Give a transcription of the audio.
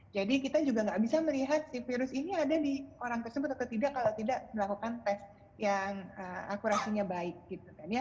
jadi kita juga gak bisa melihat si virus ini ada di orang tersebut atau tidak kalau tidak melakukan tes yang akurasinya baik gitu